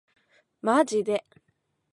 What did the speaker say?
マジで